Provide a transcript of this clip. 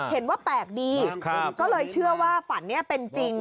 เห็นว่าแปลกดีก็เลยเชื่อว่าฝันเนี่ยเป็นจริง